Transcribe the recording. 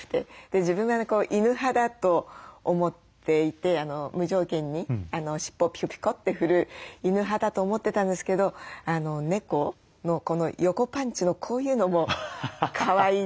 自分が犬派だと思っていて無条件に尻尾をピコピコって振る犬派だと思ってたんですけど猫のこの横パンチのこういうのもかわいいって。